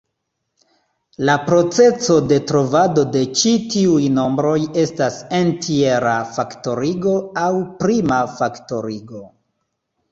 La procezo de trovado de ĉi tiuj nombroj estas entjera faktorigo, aŭ prima faktorigo.